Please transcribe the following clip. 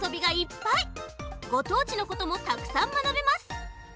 ごとうちのこともたくさんまなべます！